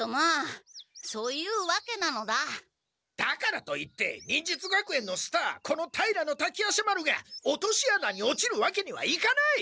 だからといって忍術学園のスターこの平滝夜叉丸が落とし穴に落ちるわけにはいかない！